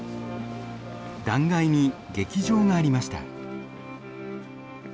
断崖に劇場がありました。